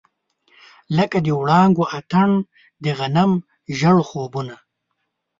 لکه د وړانګو اتڼ، د غنم ژړ خوبونه